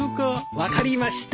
分かりました。